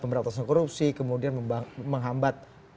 pemberantasan korupsi kemudian menghambat